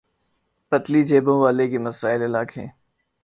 پتلی جیبوں والوں کے مسائل الگ ہیں۔